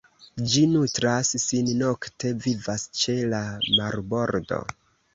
Ĝi nutras sin nokte, vivas ĉe la marbordo.